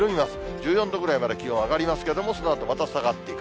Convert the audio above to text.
１４度ぐらいまで気温上がりますけれども、そのあとまた下がっていく。